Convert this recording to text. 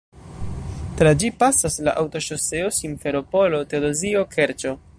Tra ĝi pasas la aŭtoŝoseo Simferopolo-Teodozio-Kerĉo.